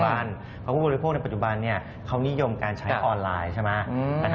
เพราะผู้บริโภคในปัจจุบันเขานิยมการใช้ออนไลน์ใช่ไหม